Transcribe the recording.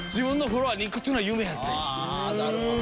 なるほど。